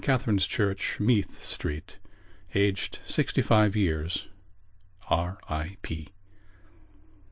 Catherine's Church, Meath Street), aged sixty five years. _R. I. P.